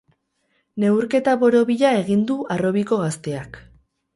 Neurketa borobila egin du harrobiko gazteak.